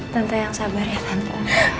tante yang sabar ya tante